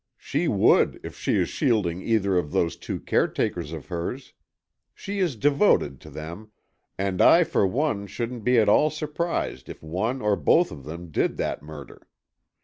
"She would, if she is shielding either of those two caretakers of hers. She is devoted to them, and I for one shouldn't be at all surprised if one or both of them did that murder.